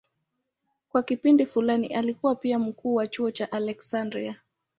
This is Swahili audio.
Kwa kipindi fulani alikuwa pia mkuu wa chuo cha Aleksandria.